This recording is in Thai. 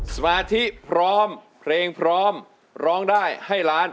สมาธิพร้อมเพลงพร้อมร้องได้ให้ล้าน